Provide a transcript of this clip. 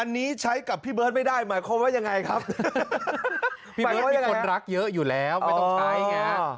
อันนี้ใช้กับพี่เบิร์ดไม่ได้หมายความว่ายังไงครับมีคนรักเยอะอยู่แล้วไม่ต้องใช้อย่างงี้